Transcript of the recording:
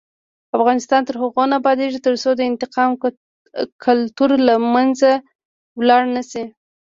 افغانستان تر هغو نه ابادیږي، ترڅو د انتقام کلتور له منځه لاړ نشي.